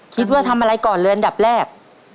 คิดว่าทำอะไรก่อนเลยอันดับแรก